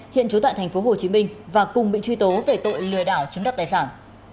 hiện trú tại tp hcm và cùng bị truy tố về tội lừa đảo chứng đắc tài sản